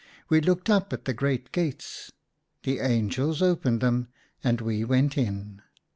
We looked up at the great gates ; the angels opened them, and we went in.